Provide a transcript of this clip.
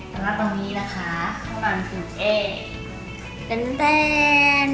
ตรงนี้นะคะห้องนอนของพิวเอง